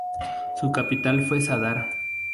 Su capital fue Zadar.